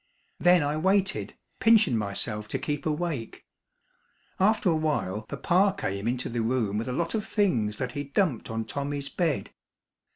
Then I waited, pinchin' myself to keep awake. After a while papa came into the room with a lot of things that he dumped on Tommy's bed.